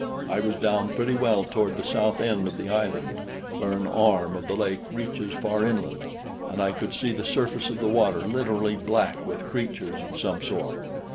I was down pretty well toward the south end of the island, where an arm of the lake reaches far inland, and I could see the surface of the water literally black with creatures of some sort.